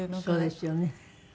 そうですよね。